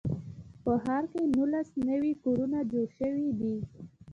په ښار کې نولس نوي کورونه جوړ شوي دي.